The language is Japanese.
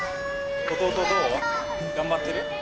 弟どう？頑張ってる？